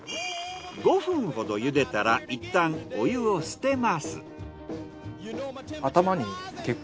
５分ほど茹でたらいったんお湯を捨てます。